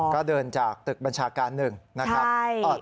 ก็เดินจากตึกบัญชาการหนึ่งนะครับ